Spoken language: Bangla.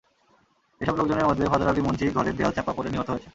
এসব লোকজনের মধ্যে ফজর আলী মুন্সি ঘরের দেয়াল চাপা পড়ে নিহত হয়েছেন।